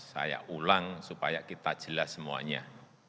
saya ulang supaya kita jelas semuanya